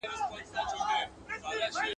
• چي طلب ئې کوې، پر پېښ به سې.